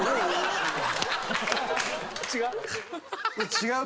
違う？